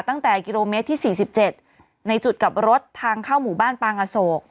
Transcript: ตั้งแต่กิโลเมตรที่๔๗ในจุดกลับรถทางเข้าหมู่บ้านปางอโศก